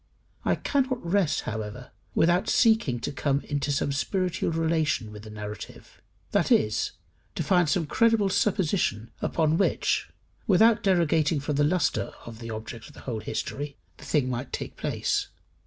I cannot rest, however, without seeking to come into some spiritual relation with the narrative, that is, to find some credible supposition upon which, without derogating from the lustre of the object of the whole history, the thing might take place.